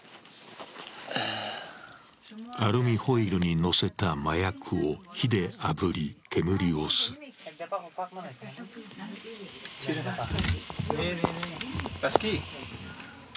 アルミホイルに乗せた麻薬を火であぶり、煙を吸う。